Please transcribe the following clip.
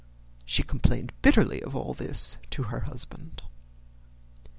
She complained bitterly of all this to her husband.